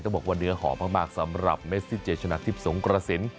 บอกว่าเนื้อหอมมากสำหรับเมซิเจชนะทิพย์สงกระสิน